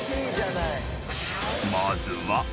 ［まずは］